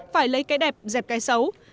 phải lấy cái đẹp dẹp cái xấu